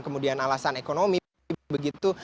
kemudian alasan ekonomi begitu